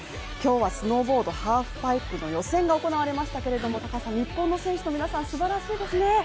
今日はスノーボードハーフパイプの予選が行われましたけど高橋さん、日本の選手の皆さんすばらしいですね。